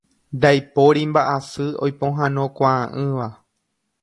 Ndaipóri mba'asy oipohãnokuaa'ỹva.